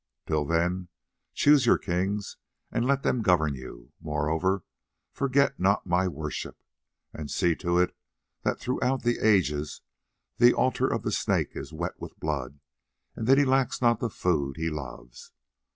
Till then, choose you kings and let them govern you; moreover, forget not my worship, and see to it that throughout the ages the altar of the Snake is wet with blood, and that he lacks not the food he loves.